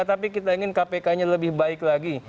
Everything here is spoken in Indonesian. tapi kita ingin kpk nya lebih baik lagi